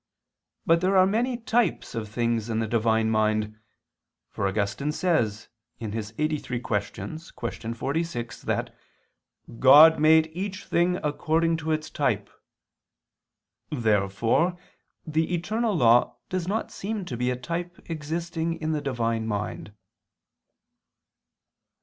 But there are many types of things in the Divine mind; for Augustine says (Qq. lxxxiii, qu. 46) that God "made each thing according to its type." Therefore the eternal law does not seem to be a type existing in the Divine mind.